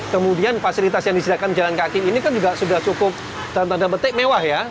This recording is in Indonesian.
kemudian fasilitas yang disediakan pejalan kaki ini kan juga sudah cukup dan tanda betik mewah ya